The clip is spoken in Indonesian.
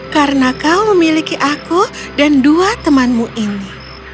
karena kau memiliki aku dan dua temanmu ini